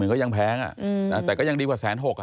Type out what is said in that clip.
๔๐๐๐๐ก็ยังแพงแต่ก็ยังดีกว่า๑๖๐๐๐๐บาท